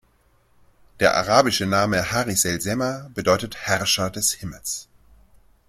Der arabische Name "Haris el sema" bedeutet „Herrscher des Himmels“.